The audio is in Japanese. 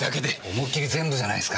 思いっきり全部じゃないすか！